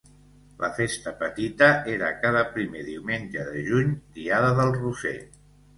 La festa petita era cada primer diumenge de juny, diada del Roser.